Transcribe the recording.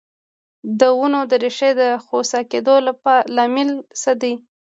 د ونو د ریښو د خوسا کیدو لامل څه دی؟